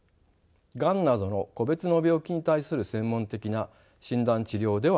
ガンなどの個別の病気に対する専門的な診断治療ではありません。